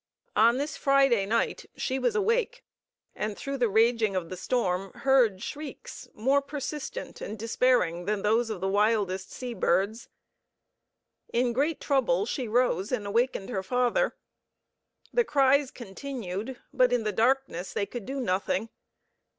On this Friday night she was awake, and through the raging of the storm heard shrieks more persistent and despairing than those of the wildest sea birds. In great trouble she rose and awakened her father. The cries continued, but in the darkness they could do nothing.